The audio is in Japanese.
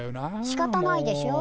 しかたないでしょ。